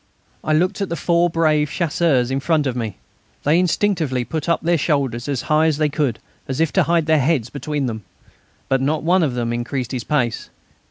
I looked at the four brave Chasseurs in front of me. They instinctively put up their shoulders as high as they could as if to hide their heads between them. But not one of them increased his pace.